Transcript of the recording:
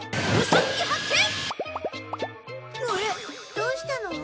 どうしたの？